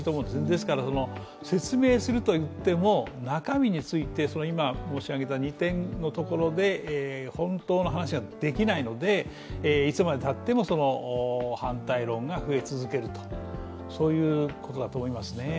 ですから説明するといっても、中身について今、申し上げた２点のところで本当の話ができないのでいつまでたっても、反対論が増え続けるということだと思いますね。